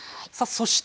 そして。